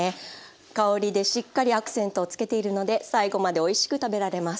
香りでしっかりアクセントをつけているので最後までおいしく食べられます。